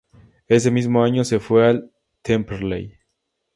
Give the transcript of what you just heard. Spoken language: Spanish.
Ese mismo año se fue al Temperley.